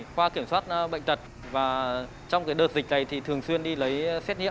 qua kiểm soát bệnh tật và trong đợt dịch này thì thường xuyên đi lấy xét nghiệm